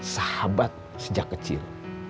sahabat sejak kecil